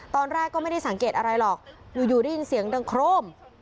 ตอนแรกก็ไม่ได้สังเกตอะไรหรอกอยู่ได้ยินเสียงดังโครม